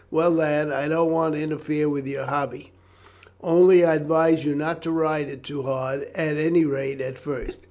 Well, lad, I don't want to interfere with your hobby, only I advise you not to ride it too hard, at any rate at first.